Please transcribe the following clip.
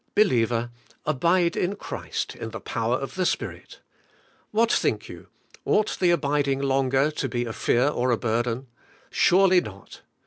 Believer, abide in Christ, in the power of the Spirit. What think you, ought the abiding longer to be a fear or a burden? Surely not.